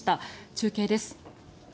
中継です。